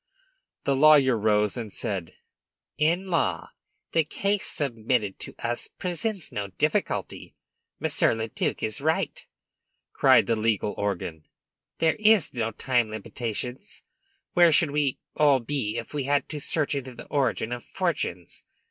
The lawyer rose, and said: "In law, the case submitted to us presents no difficulty. Monsieur le duc is right!" cried the legal organ. "There are time limitations. Where should we all be if we had to search into the origin of fortunes?